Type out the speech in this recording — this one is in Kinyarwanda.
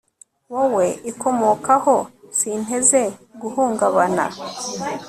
wowe ikomokaho, sinteze guhungabana